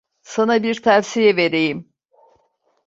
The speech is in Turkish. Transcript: Sana bir tavsiye vereyim.